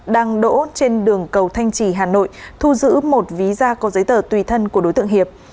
đang đỗ trên đường cầu thanh trì hà nội thu giữ một ví da có giấy tờ tùy thân của đối tượng hiệp